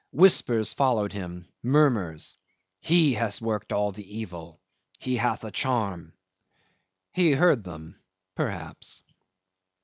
Whispers followed him; murmurs: "He has worked all the evil." "He hath a charm." ... He heard them perhaps!